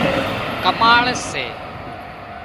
ڪماۯ سي